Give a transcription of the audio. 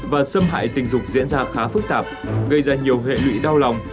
và xâm hại tình dục diễn ra khá phức tạp gây ra nhiều hệ lụy đau lòng